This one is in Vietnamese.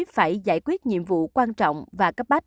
phải giải quyết nhiệm vụ quan trọng và cấp bách